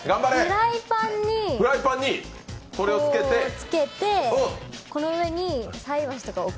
フライパンにつけてこの上に菜箸とか置く？